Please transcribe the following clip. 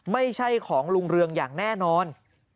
ไม่ใช่ของลุงเรืองอย่างแน่นอน